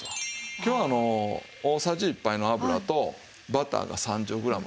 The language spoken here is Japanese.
今日あの大さじ１杯の油とバターが３０グラム。